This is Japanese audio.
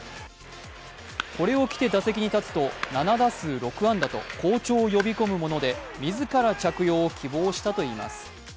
これを着て、打席に立つと７打数６安打と好調を呼び込むもので自ら着用を希望したといいます。